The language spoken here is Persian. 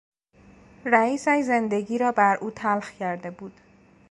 رئیسش زندگی را بر او تلخ کرده بود.